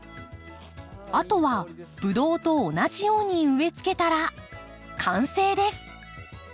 あとはブドウと同じように植え付けたら完成です。